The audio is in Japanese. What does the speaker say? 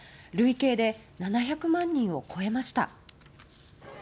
累計で７００万人を超えました。